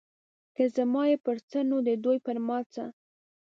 که زما یې پر څه نو د دوی پر ما څه.